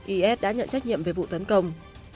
is đã nhận trách nhiệm về vụ tấn công